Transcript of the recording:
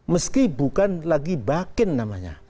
meski bukan lagi bakin namanya